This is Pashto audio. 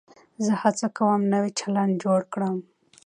زه هڅه کوم نوی چلند جوړ کړم.